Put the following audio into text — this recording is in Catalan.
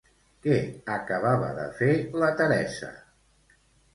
Què acabava de fer la Teresa?